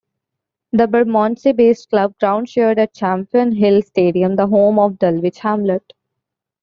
The Bermondsey-based club ground-shared at Champion Hill Stadium, the home of Dulwich Hamlet.